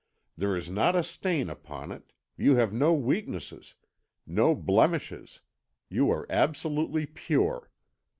There is not a stain upon it; you have no weaknesses, no blemishes; you are absolutely pure.